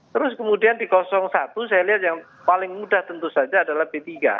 terus kemudian di satu saya lihat yang paling mudah tentu saja adalah p tiga